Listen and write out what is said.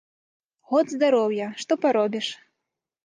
Год здароўя, што паробіш.